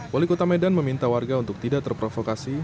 wali kota medan meminta warga untuk tidak terprovokasi